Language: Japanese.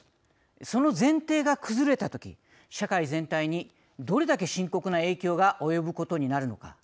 その前提が崩れた時社会全体にどれだけ深刻な影響が及ぶことになるのか。